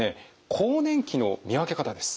更年期の見分け方です。